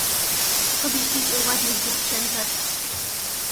"Tobie śnić o ładnych dziewczętach!"